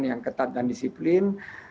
yang ketat dan disiplin